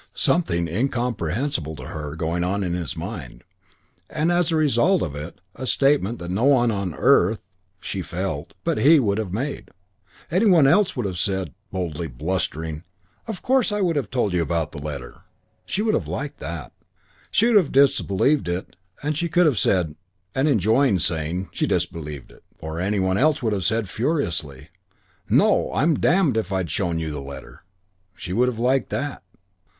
Something incomprehensible to her going on in his mind, and as a result of it a statement that no one on earth (she felt) but he would have made. Any one else would have said boldly, blusteringly, "Of course I would have told you about the letter." She would have liked that. She would have disbelieved it and she could have said, and enjoyed saying, she disbelieved it. Or any one else would have said furiously, "No, I'm damned if I'd have shown you the letter." She would have liked that.